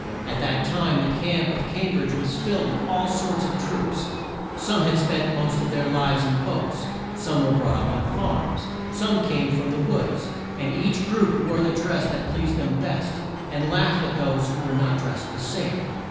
At that time the camp of Cam bridge was filled with all sorts of troops. Some had spent the most of their lives in boats, some were brought up on farms, some came from the woods, and each group wore the dress that pleased them best, and laughed at those who were not drest the same.